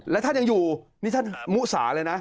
แล้วท่านยังอยู่นี่ท่านมุสาเลยนะ